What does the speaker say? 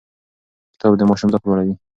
کتاب د ماشوم ذوق لوړوي.